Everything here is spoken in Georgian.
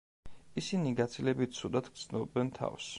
ისინი გაცილებით ცუდად გრძნობენ თავს.